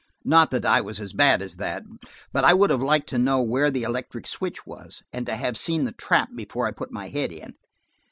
Not that I was as bad as that, but I would have liked to know where the electric switch was, and to have seen the trap before I put my head in.